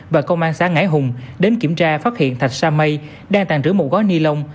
và công an xã ngãi hùng đến kiểm tra phát hiện thạch sa mây đang tàn trữ một gói ni lông